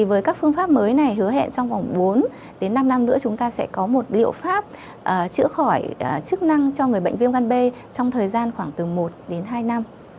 với các phương pháp mới này hứa hẹn trong vòng bốn đến năm năm nữa chúng ta sẽ có một liệu pháp chữa khỏi chức năng cho người bệnh viêm gan b trong thời gian khoảng từ một đến hai năm